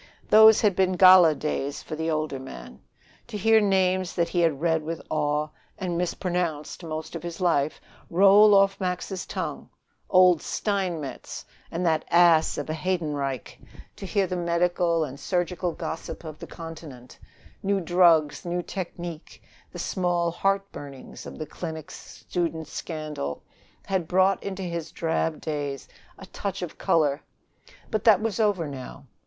Those had been gala days for the older man. To hear names that he had read with awe, and mispronounced, most of his life, roll off Max's tongue "Old Steinmetz" and "that ass of a Heydenreich"; to hear the medical and surgical gossip of the Continent, new drugs, new technique, the small heart burnings of the clinics, student scandal had brought into his drab days a touch of color. But that was over now.